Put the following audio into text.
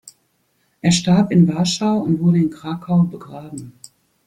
Er starb in Warschau und wurde in Krakau begraben.